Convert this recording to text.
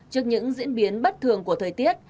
trước những diễn biến bất thường của thời tiết